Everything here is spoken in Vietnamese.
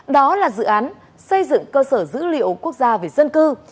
đó là dự án xây dựng cơ sở dữ liệu quốc gia về dân cư